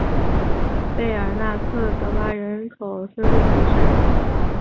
贝尔纳克德巴人口变化图示